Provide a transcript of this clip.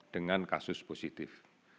dengan kasus positif